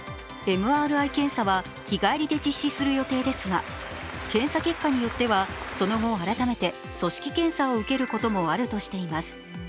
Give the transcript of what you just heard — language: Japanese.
ＭＲＩ検査は日帰りで実施する予定ですが、検査結果によっては、その後、改めて組織検査を受けることもあるとしています。